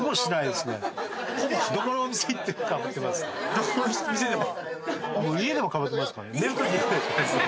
どこの店でも！？